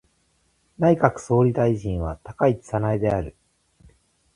内閣総理大臣は高市早苗である。